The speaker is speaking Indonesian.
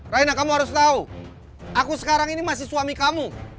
raina kamu harus tahu aku sekarang ini masih suami kamu